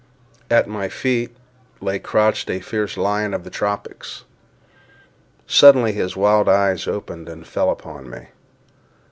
At my feet lay crouched a fierce lion of the tropics. Suddenly his wild eyes opened and fell upon me.